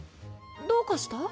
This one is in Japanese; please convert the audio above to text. どうかした？